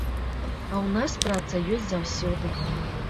А ў нас праца ёсць заўсёды.